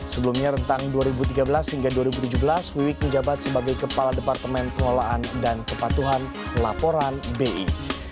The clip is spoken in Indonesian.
sebelumnya rentang dua ribu tiga belas hingga dua ribu tujuh belas wiwik menjabat sebagai kepala departemen pengelolaan dan kepatuhan laporan bi